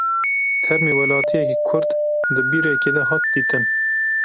Termê welatiyekî Kurd di bîrekê de hat dîtin.